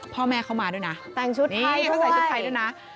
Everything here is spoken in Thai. พ่อแม่เขามาด้วยนะแต่งชุดให้เขาใส่ชุดไทยด้วยนะ